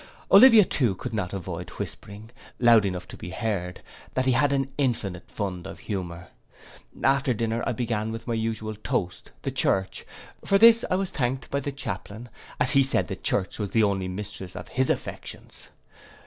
Olivia too could not avoid whispering, loud enough to be heard, that he had an infinite fund of humour. After dinner, I began with my usual toast, the Church; for this I was thanked by the chaplain, as he said the church was the only mistress of his affections.